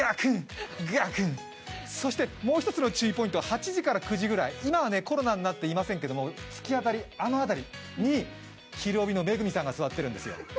そしてもう一つの注意ポイントは８時から１１時くらい、今はコロナになっていませんけれども、突き当たり、あの辺りに「ひるおび！」の恵さんが座っているんですよ。